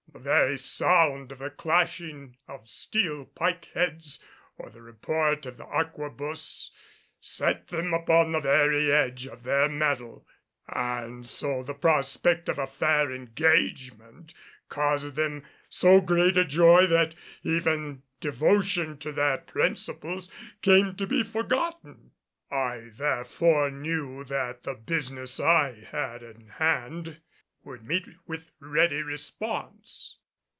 The very sound of the clashing of steel pike heads or the report of an arquebuse set them upon the very edge of their mettle, and so the prospect of a fair engagement caused them so great a joy that even devotion to their principles came to be forgotten. I therefore knew that the business I had in hand would meet with ready response.